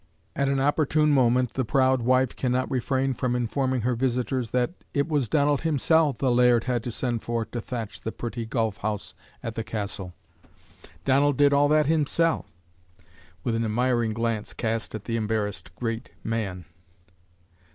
At an opportune moment the proud wife cannot refrain from informing her visitors that "it was Donald himsel' the laird had to send for to thatch the pretty golf house at the Castle. Donald did all that himsel'," with an admiring glance cast at the embarrassed great man.